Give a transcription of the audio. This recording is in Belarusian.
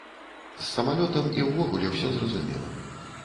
З самалётам і ўвогуле ўсё зразумела.